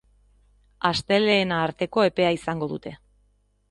Astelehena arteko epea izango dute.